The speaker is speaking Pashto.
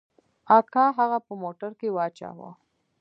اکا هغه په موټر کښې واچاوه.